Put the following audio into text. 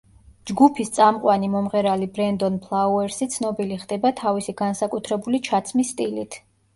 ჯგუფის წამყვანი მომღერალი ბრენდონ ფლაუერსი ცნობილი ხდება თავისი განსაკუთრებული ჩაცმის სტილით.